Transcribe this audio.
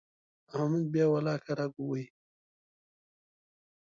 احمد بیا ولاکه رګ ووهي.